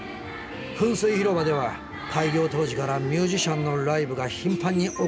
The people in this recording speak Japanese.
噴水広場では開業当時からミュージシャンのライブが頻繁に行われているんだ。